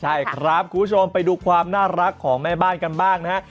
ใช่ครับคุณผู้ชมไปดูความน่ารักของแม่บ้านกันบ้างนะฮะ